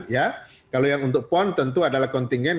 ya kalau yang untuk pon tentu adalah kontingen